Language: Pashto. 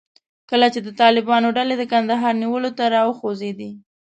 کله چې د طالبانو ډلې د کندهار نیولو ته راوخوځېدې.